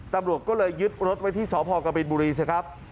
ตำรวจก็เลยยึดรถไว้ที่สพกบินบุรีสิครับ